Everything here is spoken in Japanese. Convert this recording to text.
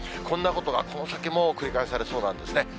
こんなことがこの先も繰り返されそうなんですね。